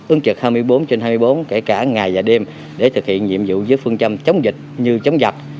ứng trực hai mươi bốn trên hai mươi bốn kể cả ngày và đêm để thực hiện nhiệm vụ với phương châm chống dịch như chống giặc